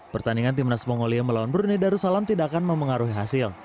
pertandingan tim nas mongolia melawan brunei darussalam tidak akan memengaruhi hasil